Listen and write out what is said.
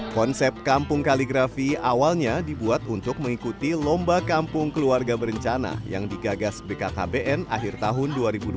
konsep kampung kaligrafi awalnya dibuat untuk mengikuti lomba kampung keluarga berencana yang digagas bkkbn akhir tahun dua ribu dua puluh